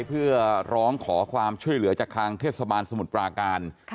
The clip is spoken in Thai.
เพื่อร้องขอความช่วยเหลือจากทางเทศบาลสมุทรปราการ